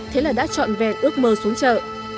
thế là đã chọn về ước mơ xuống chợ